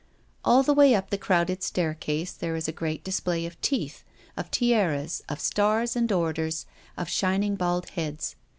All the way up the crowded staircase there is a great, display of teeth, of tiaras, of stars and orders, and shining bald heads.